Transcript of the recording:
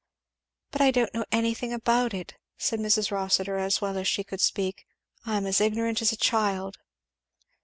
"But I don't know anything about it!" said Mrs. Rossitur, as well as she could speak, "I am as ignorant as a child!